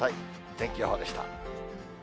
天気予報でした。